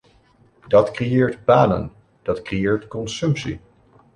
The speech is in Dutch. Dat creëert banen, dat creëert consumptie.